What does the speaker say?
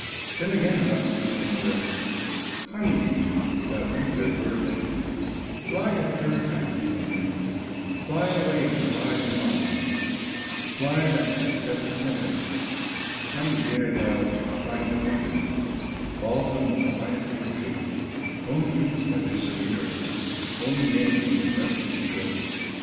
Then again out speaks the mother: "Honey bee, thou ether birdling, Fly a third time on thy journey, Fly away to high Jumala, Fly thou to the seventh heaven, Honey there thou'lt find abundant, Balsam of the highest virtue, Only used by the Creator, Only made from the breath of Ukko.